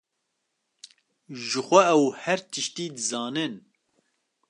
Jixwe ew her tiştî dizanin.